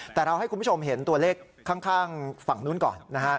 แต่เราให้คุณผู้ชมเห็นตัวเลขข้างฝั่งนู้นก่อนนะฮะ